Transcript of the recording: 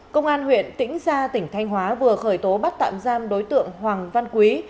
công an huyện tĩnh gia tỉnh thanh hóa vừa khởi tố bắt tạm giam đối tượng hoàng văn quý